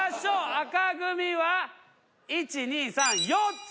紅組は１２３４つ。